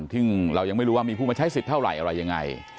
ซึ่งเรายังไม่รู้ว่ามีผู้มาใช้สิทธิ์เท่าไหร่อะไรยังไง